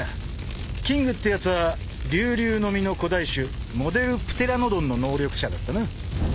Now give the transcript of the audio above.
［キングってやつはリュウリュウの実の古代種モデルプテラノドンの能力者だったな］